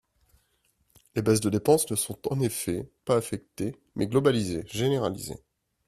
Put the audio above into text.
Les baisses de dépenses ne sont en effet pas affectées mais globalisées, généralisées.